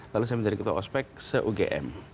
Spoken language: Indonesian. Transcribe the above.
lalu saya menjadi ketua ospek se ugm